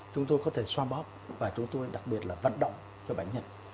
chúng tôi có thể xoa bóp và chúng tôi đặc biệt là vận động cho bệnh nhân